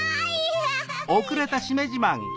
アハハハ。